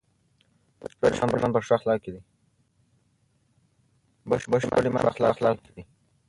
بشپړ ایمان په ښو اخلاقو کې دی.